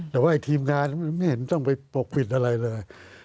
แต่ว่าทีมงานมันไม่เห็นต้องไปปกปิดอะไรเลย